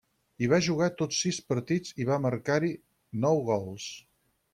Hi va jugar tots sis partits i va marcar-hi nou gols.